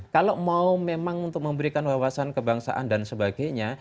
kalau mau memang untuk memberikan wawasan kebangsaan dan sebagainya